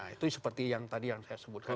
itu seperti yang tadi yang saya sebutkan